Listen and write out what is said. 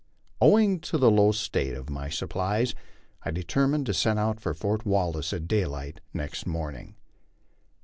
Owing to the low state of my supplies, I determined to set out for Fort Wal lace at daylight next morning.